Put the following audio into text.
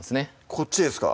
こっちですか？